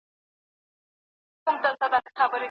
او د خپل ستوني په ناره کي مي الله ووینم